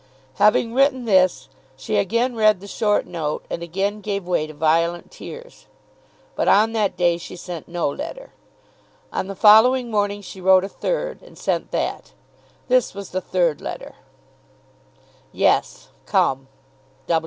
Having written this she again read the short note, and again gave way to violent tears. But on that day she sent no letter. On the following morning she wrote a third, and sent that. This was the third letter: Yes. Come.